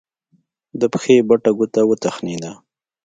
د پښې بټه ګوته وتخنېده.